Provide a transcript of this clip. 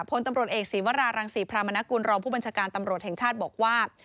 พตเอกศรีวรารังศรีพราหมณกุลรอบผู้บัญชกานตำรวจแห่งชาติบอกว่า